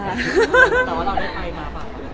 แต่ว่าเราได้ไปมาเปล่า